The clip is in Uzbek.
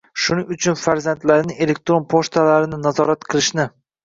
Shuning uchun farzandlarining elektron pochtalarini nazorat qilishni